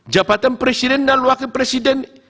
jabatan presiden dan wakil presiden